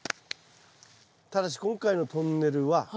ただし今回のトンネルは。